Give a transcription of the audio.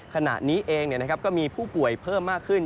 ขณะนี้เองก็มีผู้ป่วยเพิ่มมากขึ้น